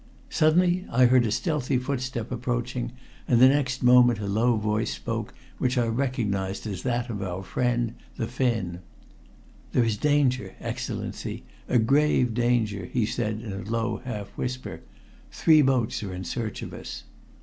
Suddenly I heard a stealthy footstep approaching, and next moment a low voice spoke which I recognized as that of our friend, the Finn. "There is danger, Excellency a grave danger!" he said in a low half whisper. "Three boats are in search of us."